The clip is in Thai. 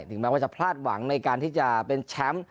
แม้ว่าจะพลาดหวังในการที่จะเป็นแชมป์